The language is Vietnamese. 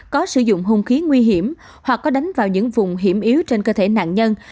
có sử dụng hung khí nguy hiểm hoặc có đánh vào những vùng hiểm yếu trên cơ thể nạn nhân